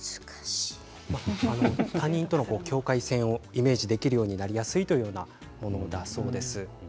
他人との境界線をイメージしやすいというものだそうです。